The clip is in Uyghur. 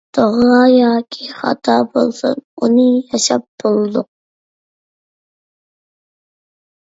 توغرا ياكى خاتا بولسۇن، ئۇنى ياشاپ بولدۇق.